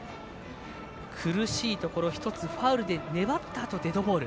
苦しいところ１つファウルで粘ったあとデッドボール。